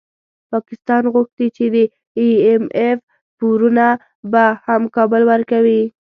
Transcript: پاکستان غوښتي چي د ای اېم اېف پورونه به هم کابل ورکوي